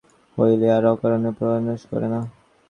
চোরেরা অর্থপিশাচ অর্থ হস্তগত হইলে আর অকারণে প্রাণনাশ করে না।